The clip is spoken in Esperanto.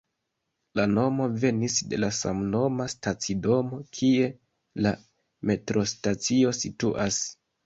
La nomo venis de la samnoma stacidomo, kie la metrostacio situas.